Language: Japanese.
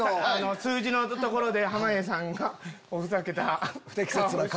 数字のところで濱家さんがふざけた顔。